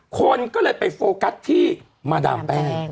คนก็เลยไปโฟกัสที่มาดามแป้ง